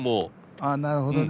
ああなるほどね。